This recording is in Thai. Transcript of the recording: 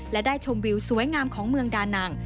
และได้ชมวิวสวยงามของเมืองดานัง